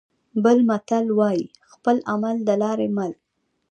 بل متل وايي: خپل عمل د لارې مل.